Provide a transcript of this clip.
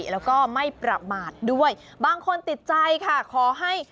แล้วก็ไม่ประมาทด้วยบางคนติดใจค่ะขอให้